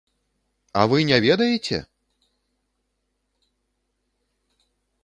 А вы не ведаеце?!